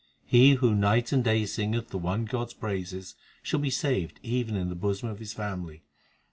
He who night and day singeth the one God s praises Shall be saved even in the bosom of his family.